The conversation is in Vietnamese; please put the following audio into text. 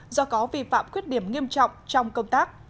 do có vi phạm khuyết điểm nghiêm trọng trong công tác